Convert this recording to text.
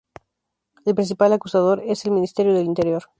El principal acusador es el Ministerio del Interior.